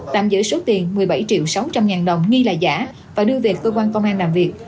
tạm giữ số tiền một mươi bảy triệu sáu trăm linh ngàn đồng nghi là giả và đưa về cơ quan công an làm việc